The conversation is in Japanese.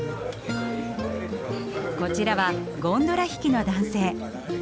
こちらはゴンドラ引きの男性。